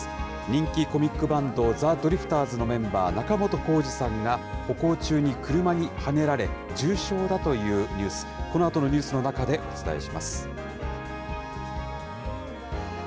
人気コミックバンド、ザ・ドリフターズのメンバー、仲本工事さんが、歩行中に車にはねられ、重傷だというニュース、このあとのニュースの中でお伝えします。